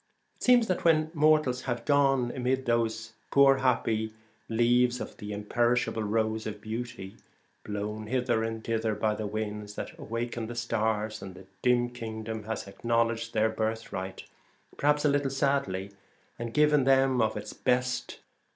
It seems that when mortals have gone amid those poor happy leaves of the Imperishable Rose of Beauty, blown hither and thither by the winds that awakened the stars, the dim kingdom has acknowledged their birthright, per haps a little sadly, and given them of its best.